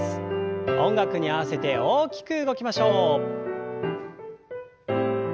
音楽に合わせて大きく動きましょう。